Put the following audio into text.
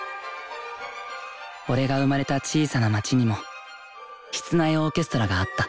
俺が生まれた小さな町にも室内オーケストラがあった。